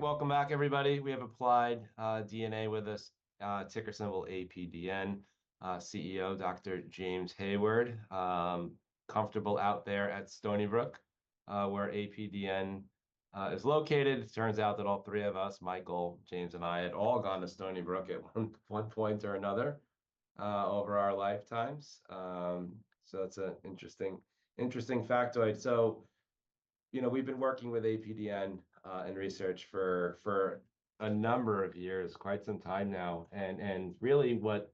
Welcome back, everybody. We have Applied DNA with us, ticker symbol APDN. CEO Dr. James Hayward. Comfortable out there at Stony Brook, where APDN is located. It turns out that all three of us, Michael, James, and I, had all gone to Stony Brook at one point or another, over our lifetimes. So it's an interesting factoid. So, you know, we've been working with APDN in research for a number of years, quite some time now, and really what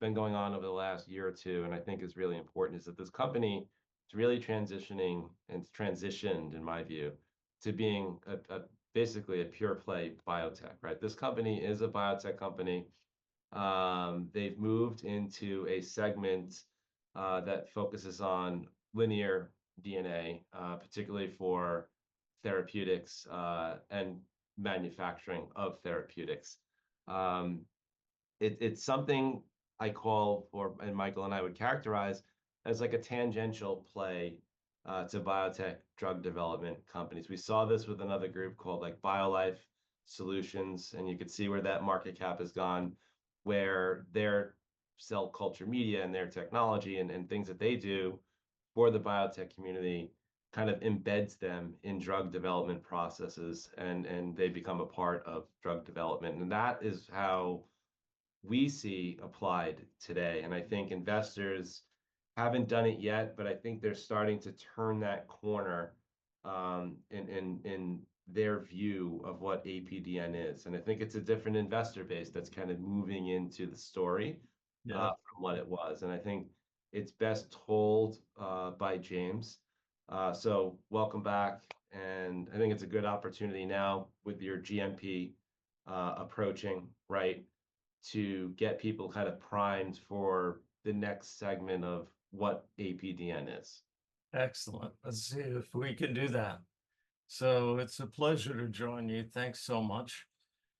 been going on over the last year or two, and I think is really important, is that this company is really transitioning, and it's transitioned, in my view, to being a basically a pure-play biotech, right? This company is a biotech company. They've moved into a segment that focuses on linear DNA, particularly for therapeutics, and manufacturing of therapeutics. It's something I call, and Michael and I would characterize as like a tangential play to biotech drug development companies. We saw this with another group called, like, BioLife Solutions, and you could see where that market cap has gone, where their cell culture media and their technology and things that they do for the biotech community kind of embeds them in drug development processes, and they become a part of drug development, and that is how we see Applied today, and I think investors haven't done it yet, but I think they're starting to turn that corner, in their view of what APDN is, and I think it's a different investor base that's kind of moving into the story. Yeah From what it was, and I think it's best told by James. So welcome back, and I think it's a good opportunity now with your GMP approaching, right, to get people kind of primed for the next segment of what APDN is. Excellent. Let's see if we can do that. So it's a pleasure to join you. Thanks so much.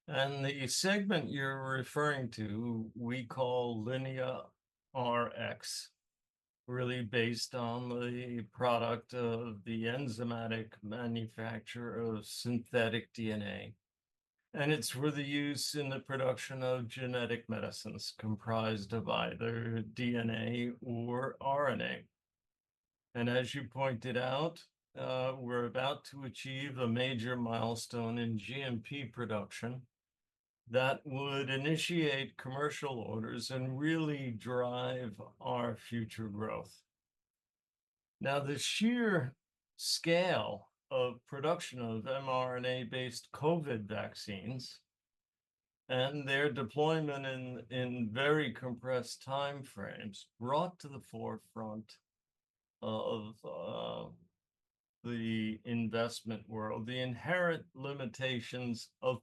And the segment you're referring to, we call Linea Rx, really based on the product of the enzymatic manufacture of synthetic DNA, and it's for the use in the production of genetic medicines comprised of either DNA or RNA. And as you pointed out, we're about to achieve a major milestone in GMP production that would initiate commercial orders and really drive our future growth. Now, the sheer scale of production of mRNA-based COVID vaccines and their deployment in very compressed timeframes brought to the forefront of the investment world, the inherent limitations of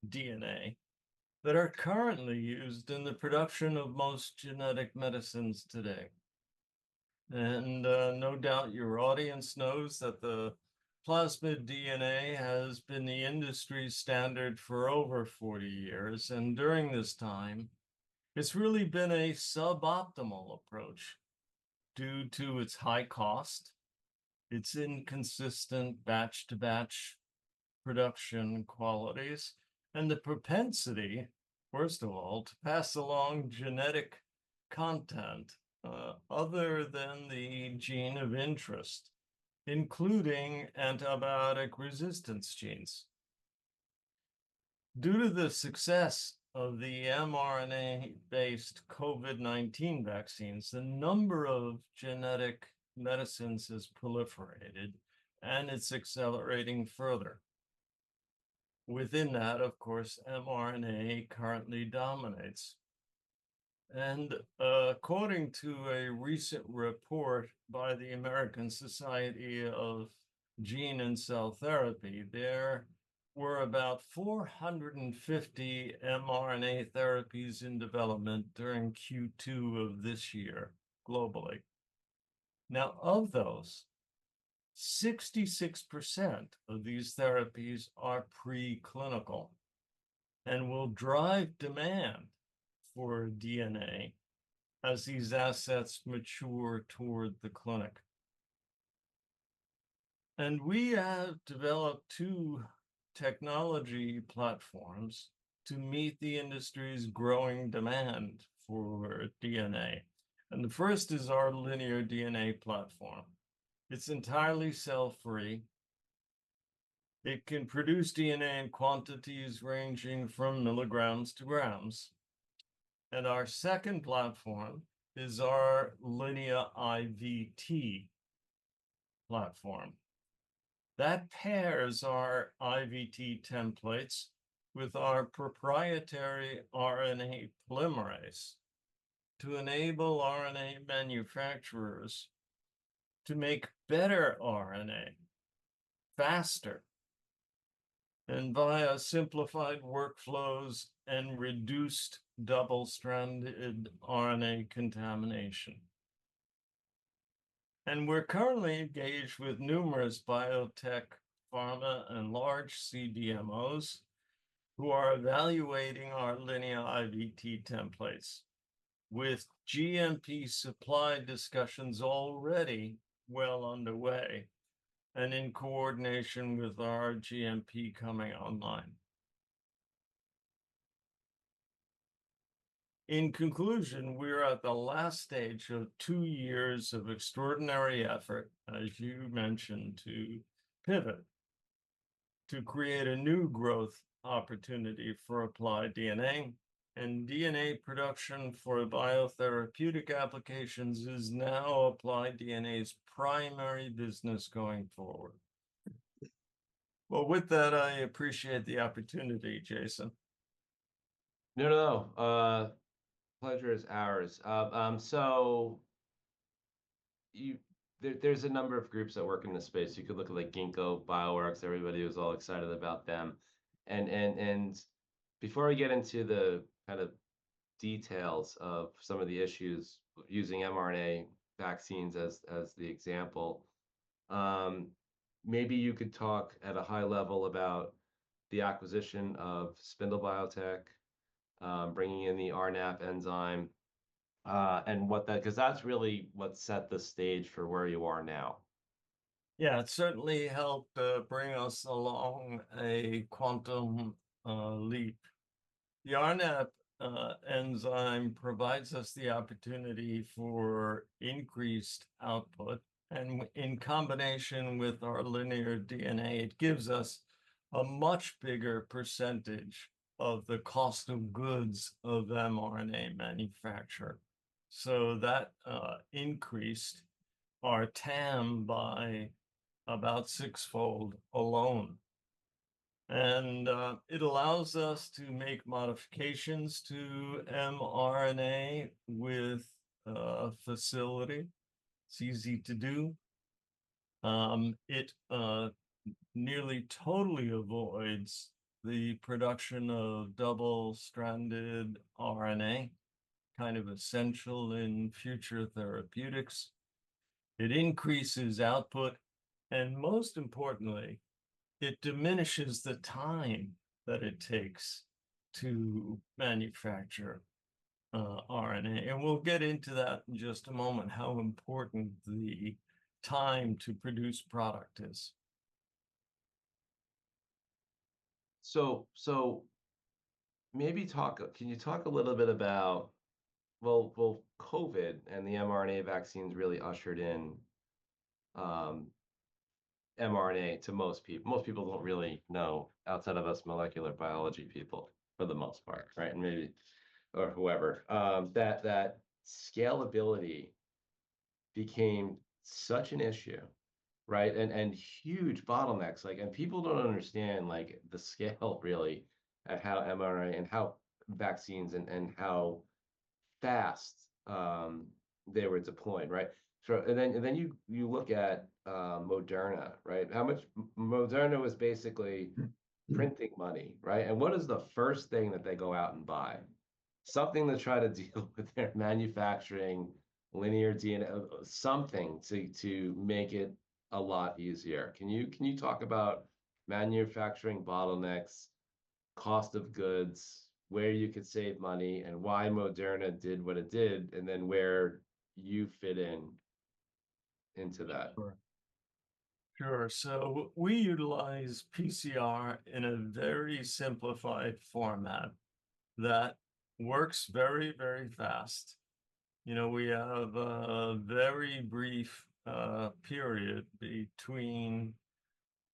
plasmid DNA that are currently used in the production of most genetic medicines today. No doubt your audience knows that the plasmid DNA has been the industry standard for over 40 years, and during this time, it's really been a suboptimal approach due to its high cost, its inconsistent batch-to-batch production qualities, and the propensity, first of all, to pass along genetic content, other than the gene of interest, including antibiotic-resistance genes. Due to the success of the mRNA-based COVID-19 vaccines, the number of genetic medicines has proliferated, and it's accelerating further. Within that, of course, mRNA currently dominates, and according to a recent report by the American Society of Gene and Cell Therapy, there were about 450 mRNA therapies in development during Q2 of this year, globally. Now, of those, 66% of these therapies are preclinical and will drive demand for DNA as these assets mature toward the clinic. We have developed two technology platforms to meet the industry's growing demand for DNA, and the first is our Linear DNA platform. It's entirely cell-free. It can produce DNA in quantities ranging from milligrams to grams. Our second platform is our Linea IVT platform. That pairs our IVT templates with our proprietary RNA polymerase to enable RNA manufacturers to make better RNA, faster, and via simplified workflows and reduced double-stranded RNA contamination. We're currently engaged with numerous biotech, pharma, and large CDMOs who are evaluating our Linea IVT templates, with GMP supply discussions already well underway and in coordination with our GMP coming online. In conclusion, we're at the last stage of two years of extraordinary effort, as you mentioned, to pivot, to create a new growth opportunity for Applied DNA, and DNA production for biotherapeutic applications is now Applied DNA's primary business going forward. With that, I appreciate the opportunity, Jason. No, no, no, pleasure is ours. So there's a number of groups that work in this space. You could look at, like, Ginkgo Bioworks. Everybody was all excited about them. And before I get into the kind of details of some of the issues using mRNA vaccines as the example, maybe you could talk at a high level about the acquisition of Spindle Biotech, bringing in the RNAP enzyme, and what that... 'Cause that's really what set the stage for where you are now. Yeah, it certainly helped bring us along a quantum leap. The RNAP enzyme provides us the opportunity for increased output, and in combination with our linear DNA, it gives us a much bigger percentage of the cost of goods of mRNA manufacture, so that increased our TAM by about sixfold alone. And it allows us to make modifications to mRNA with facility. It's easy to do. It nearly totally avoids the production of double-stranded RNA, kind of essential in future therapeutics. It increases output, and most importantly, it diminishes the time that it takes to manufacture RNA, and we'll get into that in just a moment, how important the time to produce product is. So maybe talk, can you talk a little bit about, well, COVID and the mRNA vaccines really ushered in mRNA to most people don't really know, outside of us molecular biology people, for the most part, right? Maybe, or whoever. That scalability became such an issue, right, and huge bottlenecks, like, and people don't understand, like, the scale really at how mRNA and how vaccines and how fast they were deployed, right? So and then you look at Moderna, right? How much... Moderna was basically- Mm... printing money, right? And what is the first thing that they go out and buy? Something to try to deal with their manufacturing linear DNA, something to make it a lot easier. Can you talk about manufacturing bottlenecks, cost of goods, where you could save money, and why Moderna did what it did, and then where you fit into that? Sure. Sure, so we utilize PCR in a very simplified format that works very, very fast. You know, we have a very brief period between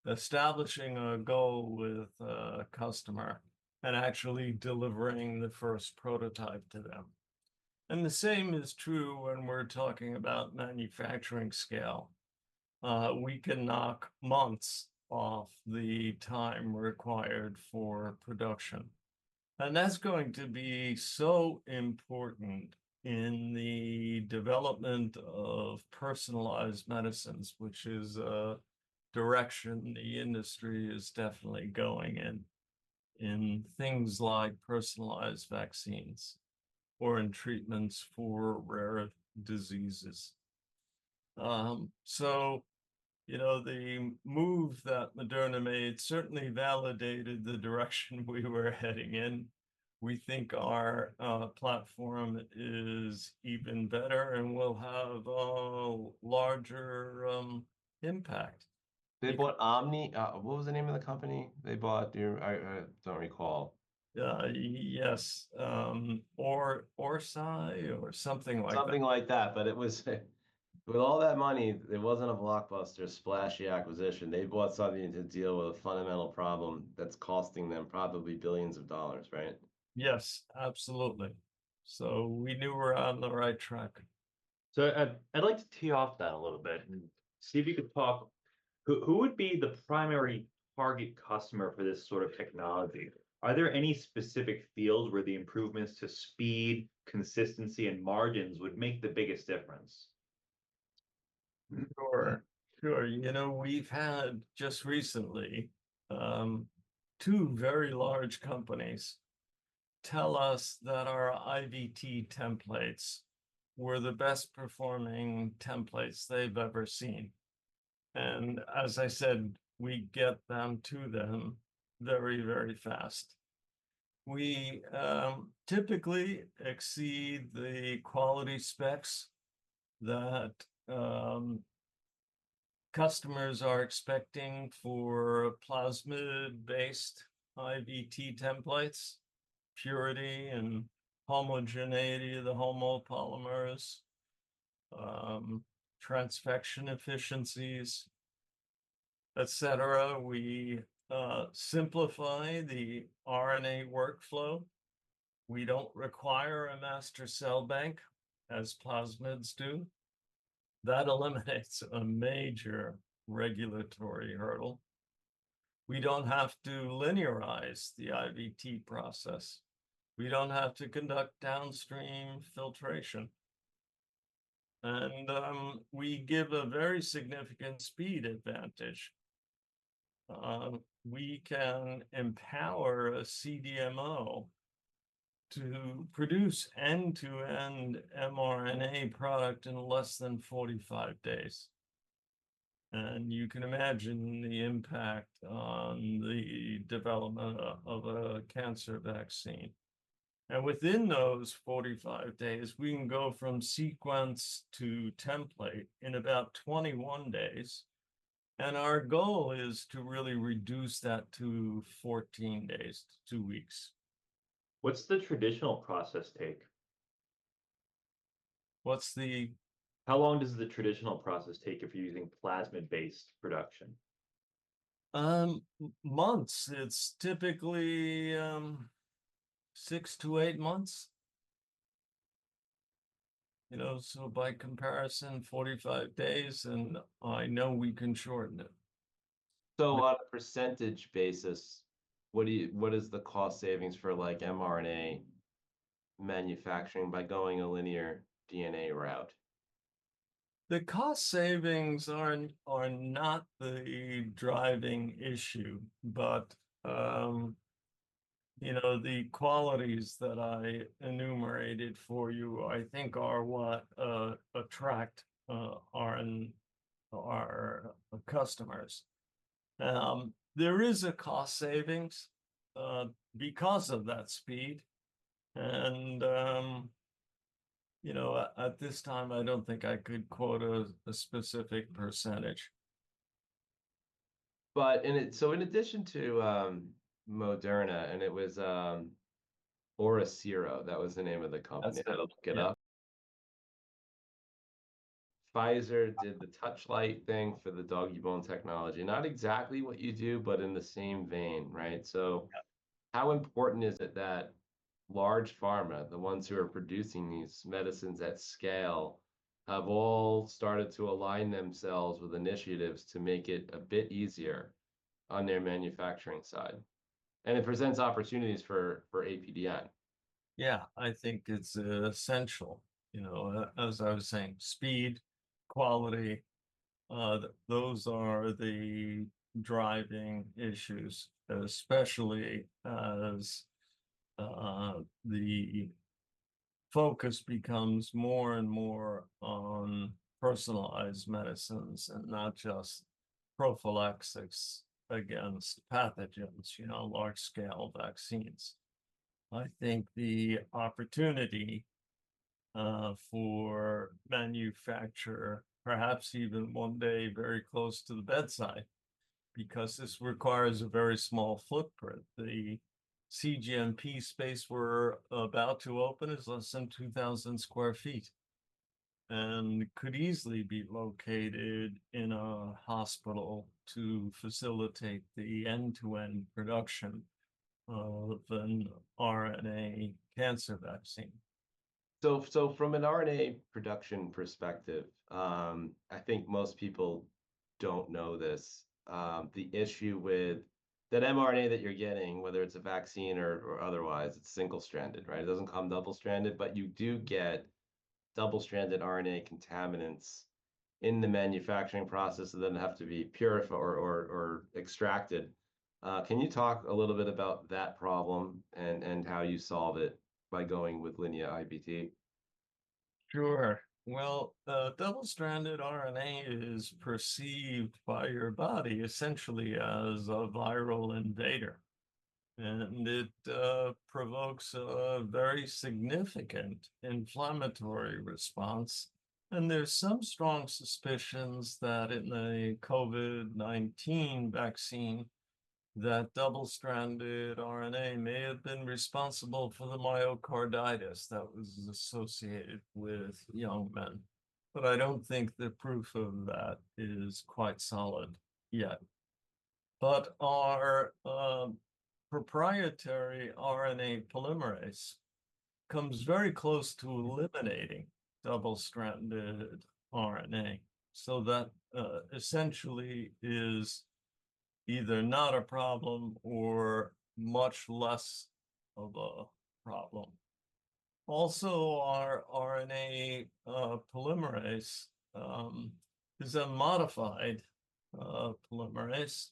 establishing a goal with a customer and actually delivering the first prototype to them, and the same is true when we're talking about manufacturing scale. We can knock months off the time required for production, and that's going to be so important in the development of personalized medicines, which is a direction the industry is definitely going in, in things like personalized vaccines or in treatments for rare diseases. So, you know, the move that Moderna made certainly validated the direction we were heading in. We think our platform is even better and will have a larger impact. They bought Omni, what was the name of the company they bought? Do you... I don't recall. Yes, Orsi or something like that. Something like that, but it was with all that money, it wasn't a blockbuster, splashy acquisition. They bought something to deal with a fundamental problem that's costing them probably billions of dollars, right? Yes, absolutely. So we knew we're on the right track. I'd like to tee off that a little bit and see if you could talk. Who would be the primary target customer for this sort of technology? Are there any specific fields where the improvements to speed, consistency, and margins would make the biggest difference? Sure, sure. You know, we've had, just recently, two very large companies tell us that our IVT templates were the best performing templates they've ever seen. And as I said, we get them to them very, very fast. We typically exceed the quality specs that customers are expecting for plasmid-based IVT templates, purity and homogeneity of the homopolymers, transfection efficiencies, et cetera. We simplify the RNA workflow. We don't require a master cell bank, as plasmids do. That eliminates a major regulatory hurdle. We don't have to linearize the IVT process. We don't have to conduct downstream filtration, and we give a very significant speed advantage. We can empower a CDMO to produce end-to-end mRNA product in less than 45 days, and you can imagine the impact on the development of a cancer vaccine. And within those 45 days, we can go from sequence to template in about 21 days, and our goal is to really reduce that to 14 days, two weeks. What's the traditional process take? What's the- How long does the traditional process take if you're using plasmid-based production? Months. It's typically six to eight months. You know, so by comparison, 45 days, and I know we can shorten it. On a percentage basis, what is the cost savings for, like, mRNA manufacturing by going a linear DNA route? The cost savings aren't, are not the driving issue, but, you know, the qualities that I enumerated for you, I think are what attract our customers. There is a cost savings because of that speed, and, you know, at this time, I don't think I could quote a specific percentage. But so in addition to Moderna and it was OriCiro. That was the name of the company. That's it. Look it up. Pfizer did the Touchlight thing for the Doggybone technology. Not exactly what you do, but in the same vein, right? Yeah. So how important is it that large pharma, the ones who are producing these medicines at scale, have all started to align themselves with initiatives to make it a bit easier on their manufacturing side? And it presents opportunities for APDN. Yeah, I think it's essential. You know, as I was saying, speed, quality, those are the driving issues, especially as the focus becomes more and more on personalized medicines and not just prophylactics against pathogens, you know, large-scale vaccines. I think the opportunity for manufacture, perhaps even one day very close to the bedside, because this requires a very small footprint. The cGMP space we're about to open is less than 2,000 sq ft, and could easily be located in a hospital to facilitate the end-to-end production of an RNA cancer vaccine. From an RNA production perspective, I think most people don't know this, the issue with that mRNA that you're getting, whether it's a vaccine or otherwise, it's single-stranded, right? It doesn't come double-stranded, but you do get double-stranded RNA contaminants in the manufacturing process that then have to be purified or extracted. Can you talk a little bit about that problem and how you solve it by going with linear IVT? Sure. Well, double-stranded RNA is perceived by your body essentially as a viral invader, and it provokes a very significant inflammatory response. And there's some strong suspicions that in the COVID-19 vaccine, that double-stranded RNA may have been responsible for the myocarditis that was associated with young men, but I don't think the proof of that is quite solid yet. But our proprietary RNA polymerase comes very close to eliminating double-stranded RNA, so that essentially either not ais problem or much less of a problem. Also, our RNA polymerase is a modified polymerase.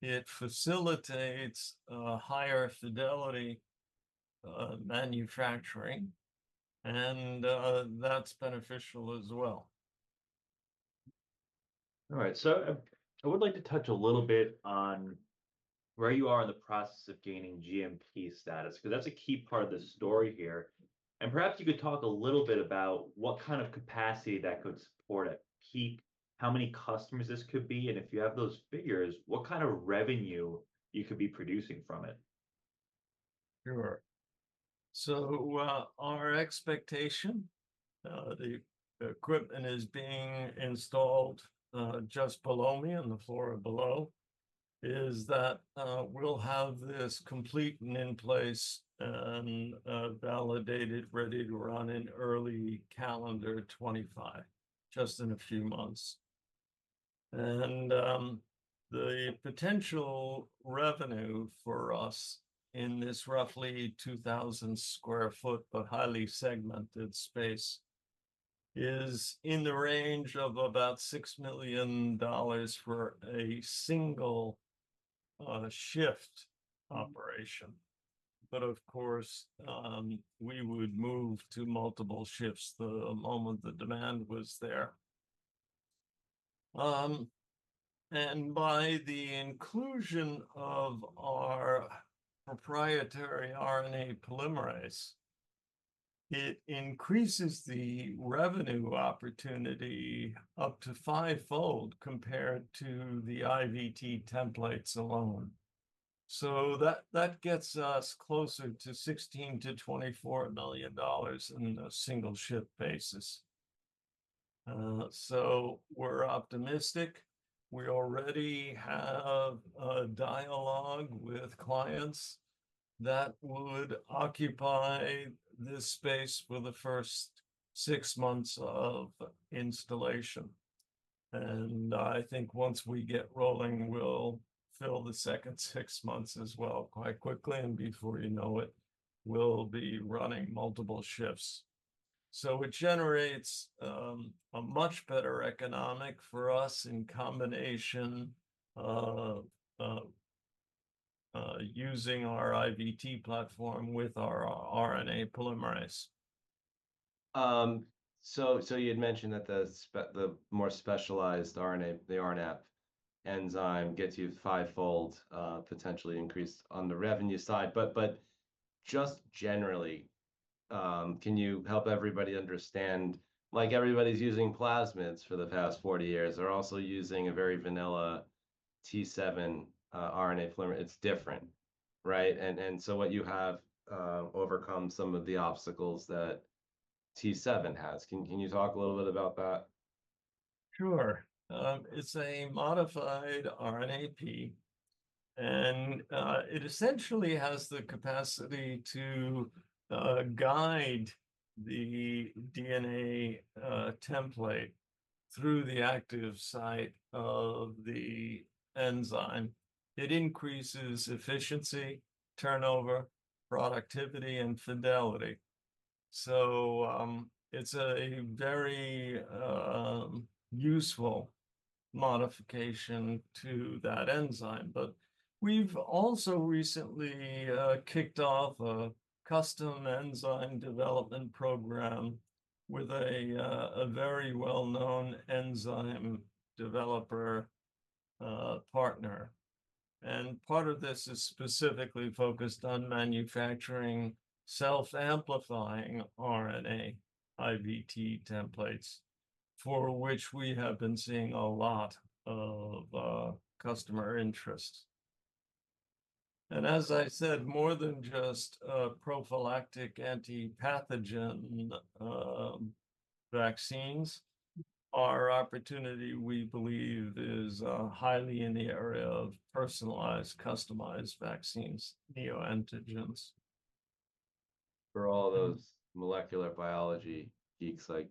It facilitates higher fidelity manufacturing, and that's beneficial as well. All right, so, I would like to touch a little bit on where you are in the process of gaining GMP status, 'cause that's a key part of the story here. And perhaps you could talk a little bit about what kind of capacity that could support at peak, how many customers this could be, and if you have those figures, what kind of revenue you could be producing from it? Sure. So, our expectation, the equipment is being installed just below me, on the floor below, is that we'll have this complete and in place and validated, ready to run in early calendar 2025, just in a few months. And the potential revenue for us in this roughly 2,000 sq ft, but highly segmented space, is in the range of about $6 million for a single shift operation. But of course, we would move to multiple shifts the moment the demand was there. And by the inclusion of our proprietary RNA polymerase, it increases the revenue opportunity up to fivefold compared to the IVT templates alone. So that gets us closer to $16 million-$24 million in a single shift basis. So we're optimistic. We already have a dialogue with clients that would occupy this space for the first six months of installation, and I think once we get rolling, we'll fill the second six months as well, quite quickly, and before you know it, we'll be running multiple shifts. So it generates a much better economic for us in combination of using our IVT platform with our RNA polymerase. So you'd mentioned that the more specialized RNA, the RNAP enzyme, gets you fivefold potentially increase on the revenue side. But just generally, can you help everybody understand, like, everybody's using plasmids for the past forty years. They're also using a very vanilla T7 RNA polymerase. It's different, right? And so what you have overcome some of the obstacles that T7 has. Can you talk a little bit about that? Sure. It's a modified RNAP, and it essentially has the capacity to guide the DNA template through the active site of the enzyme. It increases efficiency, turnover, productivity, and fidelity. So, it's a very useful modification to that enzyme. But we've also recently kicked off a custom enzyme development program with a very well-known enzyme developer partner, and part of this is specifically focused on manufacturing self-amplifying RNA IVT templates, for which we have been seeing a lot of customer interest. And as I said, more than just prophylactic anti-pathogen vaccines, our opportunity, we believe, is highly in the area of personalized, customized vaccines, neo-antigens. For all those molecular biology geeks, like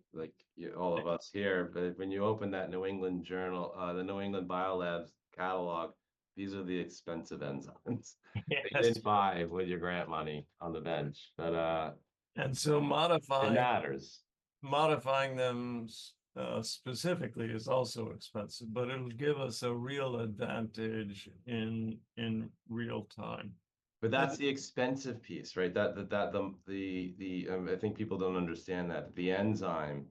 y'all of us here, but when you open that New England Biolabs catalog, these are the expensive enzymes. Yeah. You can't buy with your grant money on the bench, but, Modifying- It matters Modifying them, specifically is also expensive, but it'll give us a real advantage in real time. But that's the expensive piece, right? I think people don't understand that the enzyme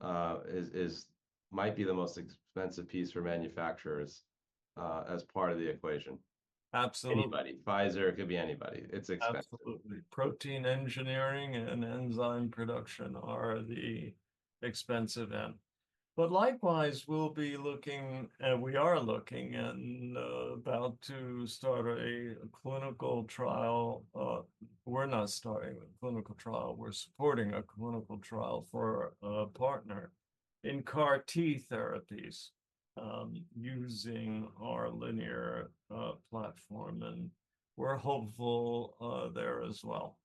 might be the most expensive piece for manufacturers as part of the equation. Absolutely. Anybody. Pfizer, it could be anybody. It's expensive. Absolutely. Protein engineering and enzyme production are the expensive end. But likewise, we'll be looking, and we are looking, and about to start a clinical trial. We're not starting the clinical trial, we're supporting a clinical trial for a partner in CAR T therapies, using our linear platform, and we're hopeful there as well.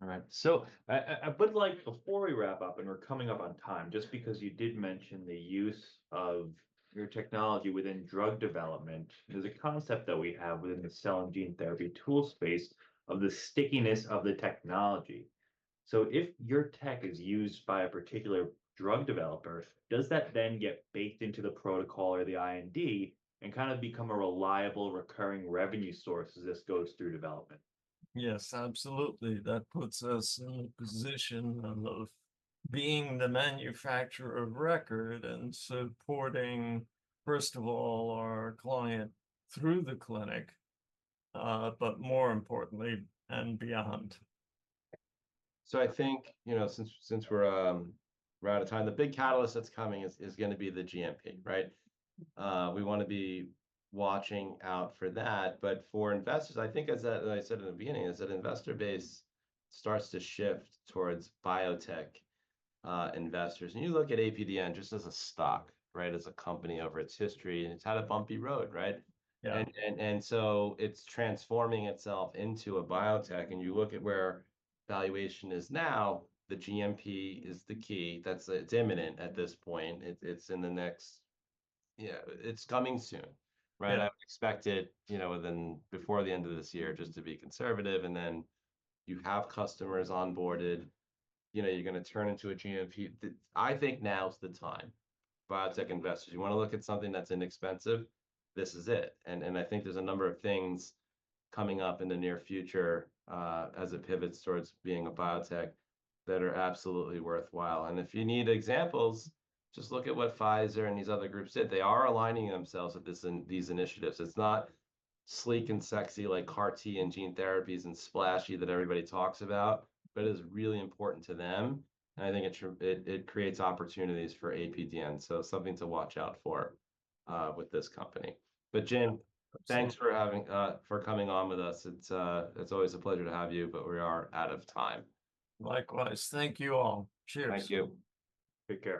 All right, so I but like, before we wrap up, and we're coming up on time, just because you did mention the use of your technology within drug development, there's a concept that we have within the cell and gene therapy tool space of the stickiness of the technology. So if your tech is used by a particular drug developer, does that then get baked into the protocol or the IND and kind of become a reliable, recurring revenue source as this goes through development? Yes, absolutely. That puts us in a position of being the manufacturer of record and supporting, first of all, our client through the clinic, but more importantly, and beyond. So I think, you know, since we're out of time, the big catalyst that's coming is gonna be the GMP, right? We wanna be watching out for that. But for investors, I think as I said in the beginning, is that investor base starts to shift towards biotech investors. When you look at APDN just as a stock, right, as a company over its history, and it's had a bumpy road, right? Yeah. It's transforming itself into a biotech, and you look at where valuation is now, the GMP is the key. That's the... It's imminent at this point. It's in the next... Yeah, it's coming soon, right? Yeah. I would expect it, you know, within before the end of this year, just to be conservative, and then you have customers onboarded. You know, you're gonna turn into a GMP. The I think now's the time. Biotech investors, you wanna look at something that's inexpensive, this is it, and, and I think there's a number of things coming up in the near future, as it pivots towards being a biotech, that are absolutely worthwhile. And if you need examples, just look at what Pfizer and these other groups did. They are aligning themselves with this in these initiatives. It's not sleek and sexy like CAR T and gene therapies and splashy that everybody talks about, but it is really important to them, and I think it it creates opportunities for APDN, so something to watch out for, with this company. But Jim- Absolutely Thanks for having for coming on with us. It's always a pleasure to have you, but we are out of time. Likewise. Thank you, all. Cheers. Thank you. Take care.